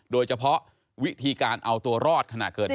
โดยเฉพาะวิธีการเอาตัวรอดขณะเกิดเหตุ